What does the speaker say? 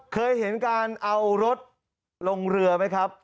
เคยเห็นการเอารถลงเรือไหมครับ